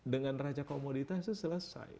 dengan raja komoditas itu selesai